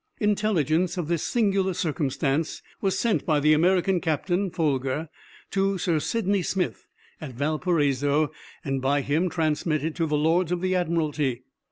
Intelligence of this singular circumstance was sent by the American captain (Folger) to Sir Sydney Smith at Valparaiso, and by him transmitted to the Lords of the Admiralty.